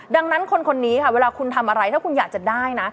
ดังนั้นคนนี้ค่ะเวลาคุณทำอะไรถ้าคุณอยากจะได้นะ